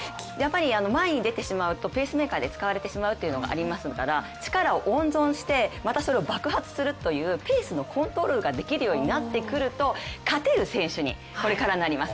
前に出てしまうとペースメーカーで使われてしまうというのがありますから力を温存して、またそれを爆発するというペースのコントロールができるようになってくると勝てる選手にこれからなります。